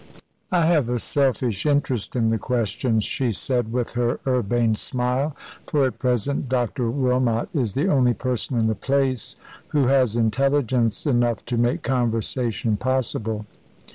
"I have a selfish interest in the question," she said, with her urbane smile, "for at present Dr. Wilmot is the only person in the place who has intelligence enough to make conversation possible.